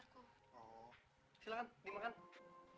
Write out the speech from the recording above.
k tan perut